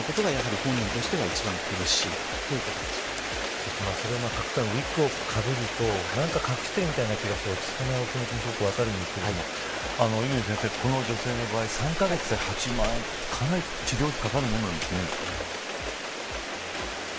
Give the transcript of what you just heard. そしてウィッグをかぶると隠してるみたいな気がして落ち着かない気持ちは分かるんですけど乾先生、この女性の場合３カ月で８万円かなり治療費かかるものなんですね。